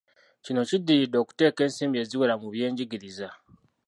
Kino kiddiridde okuteeka ensimbi eziwera mu by'enjigiriza.